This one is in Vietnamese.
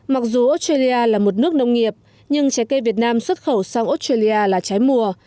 mặc dù australia là một nước nông nghiệp nhưng trái cây việt nam xuất khẩu sang australia là trái mùa